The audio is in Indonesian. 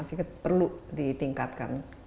inilah hebatnya perencanaan pembangunan kita